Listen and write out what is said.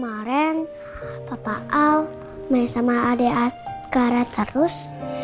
pada hari yang kemarin papa al main sama adik azkara terus